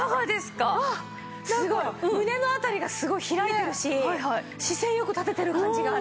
なんか胸の辺りがすごい開いてるし姿勢よく立ててる感じがある。